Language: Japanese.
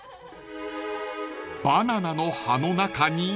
［バナナの葉の中に］